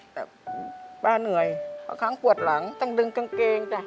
แต่ป้าเหนื่อยบางครั้งปวดหลังต้องดึงกางเกงจ้ะ